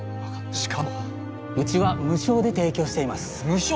しかもうちは無償で提供しています無償！？